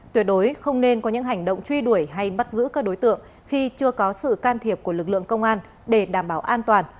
tuyệt đối không nên có những hành động truy đuổi hay bắt giữ các đối tượng khi chưa có sự can thiệp của lực lượng công an để đảm bảo an toàn